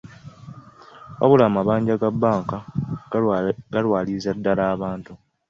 Wabula amabanja ga bbanka galwaliza ddala abantu.